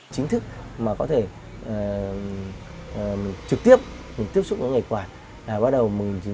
chính thức mà có thể trực tiếp tiếp xúc với nghề quạt là bắt đầu một nghìn chín trăm chín mươi